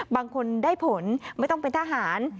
บางคนได้ผลไม่ต้องเป็นทหาร